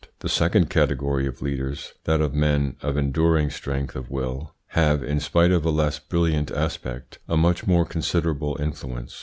The second category of leaders, that of men of enduring strength of will, have, in spite of a less brilliant aspect, a much more considerable influence.